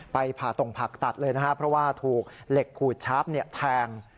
ผ่าตรงผักตัดเลยนะครับเพราะว่าถูกเหล็กขูดชาร์ฟแทง